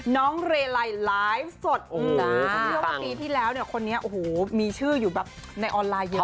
น้องเรลัยไลฟ์สดเชื่อว่าปีที่แล้วเนี่ยคนนี้โอ้โหมีชื่ออยู่แบบในออนไลน์เยอะ